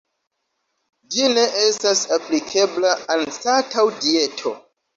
Ĝi ne estas aplikebla anstataŭ dieto.